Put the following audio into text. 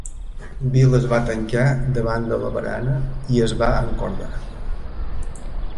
Bill es va tancar davant de la barana i es va encordar.